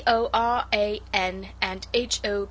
O., R., A., N., and H. O.